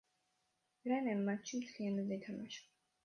რენემ მატჩი მთლიანად ითამაშა.